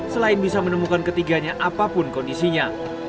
selain bisa menemukan ketiganya apapun kondisinya